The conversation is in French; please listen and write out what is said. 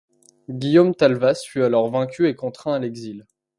Guillaume Talvas fut alors vaincu et contraint à l'exil.